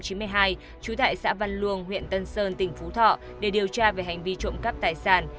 trú tại xã văn luông huyện tân sơn tỉnh phú thọ để điều tra về hành vi trộm cắp tài sản